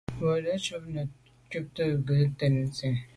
Bwɔ́ŋkə́’ cɛ̌d cúptə́ â nə̀ cúptə́ bú gə́ tɛ̌n zí.